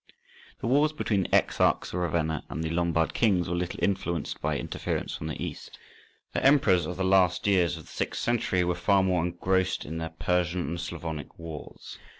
The wars between the Exarchs of Ravenna and the Lombard kings were little influenced by interference from the East. The emperors during the last thirty years of the sixth century were far more engrossed with their Persian and Slavonic wars.